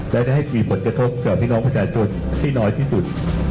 และได้ให้มีผลกระทบต่อพี่น้องประชาชนที่น้อยที่สุด